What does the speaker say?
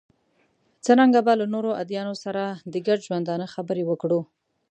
څرنګه به له نورو ادیانو سره د ګډ ژوندانه خبرې وکړو.